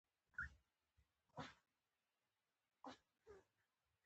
چې په دې اړه د حكومت جدي پاملرنې ته اړتيا ده.